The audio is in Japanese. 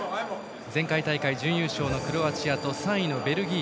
前回大会準優勝のクロアチアと３位のベルギー。